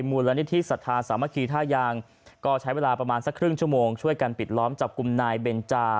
มูลนิธิสัทธาสามัคคีท่ายางก็ใช้เวลาประมาณสักครึ่งชั่วโมงช่วยกันปิดล้อมจับกลุ่มนายเบนจา